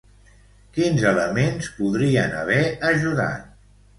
Quins elements podrien haver ajudat?